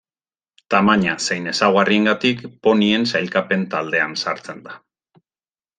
Tamaina zein ezaugarriengatik ponien sailkapen taldean sartzen da.